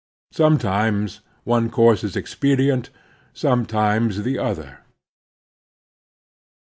Sometimes one course is expedient, sometimes the other.